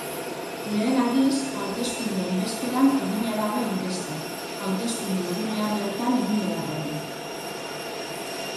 Lehen aldiz, hauteskundeen bezperan egina dago inkesta, hauteskunde-egunean bertan egin beharrean.